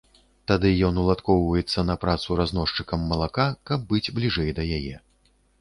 Тады ён уладкоўваецца на працу разносчыкам малака, каб быць бліжэй да яе.